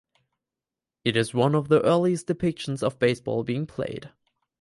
It is one of the earliest depictions of baseball being played.